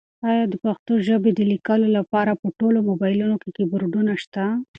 ایا د پښتو ژبې د لیکلو لپاره په ټولو مبایلونو کې کیبورډونه شته؟